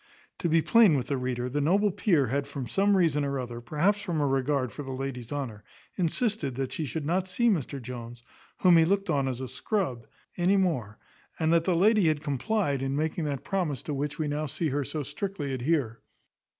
To be plain with the reader, the noble peer had from some reason or other, perhaps from a regard for the lady's honour, insisted that she should not see Mr Jones, whom he looked on as a scrub, any more; and the lady had complied in making that promise to which we now see her so strictly adhere.